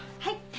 はい。